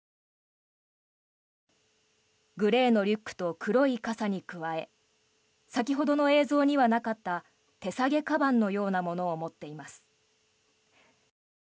グレーのリュックと黒い傘に加え先ほどの映像にはなかった手提げかばんのようなものを持っています。